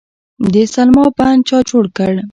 د سلما بند چا جوړ کړ؟